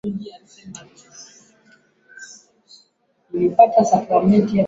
mjini Bujumbura nakadhalika atakwambia Mwenyewe katika pita pita yangu pembezoni mwa jiji la